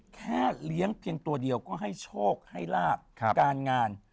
แค่เลี้ยงเพียงตัวเดียวก็ให้โชคให้ลาบการงาน